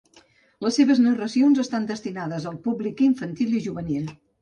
Les seves narracions estan destinades al públic infantil i juvenil.